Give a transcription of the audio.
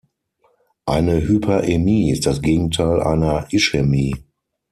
Eine Hyperämie ist das Gegenteil einer Ischämie.